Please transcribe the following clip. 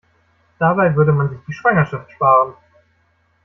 Dabei würde man sich die Schwangerschaft sparen.